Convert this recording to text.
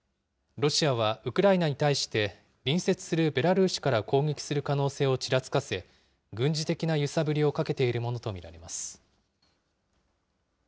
ロシアはウクライナに対して隣接するベラルーシから攻撃する可能性をちらつかせ、軍事的な揺さぶりをかけているものと見られます。